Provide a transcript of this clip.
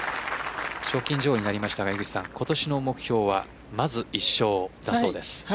賞金女王になりましたが今年の目標はまず１勝だそうです。